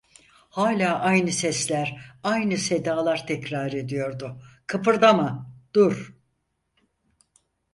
Hâlâ aynı sesler, aynı sedalar tekrar ediyordu: "Kıpırdama, dur…"